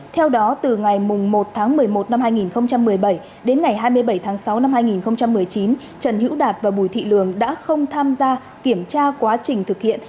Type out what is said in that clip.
theo đó từ ngày một tháng một mươi một năm hai nghìn một mươi bảy đến ngày hai mươi bảy tháng sáu năm hai nghìn một mươi chín trần hữu đạt và bùi thị lường đã không tham gia kiểm tra quá trình thực hiện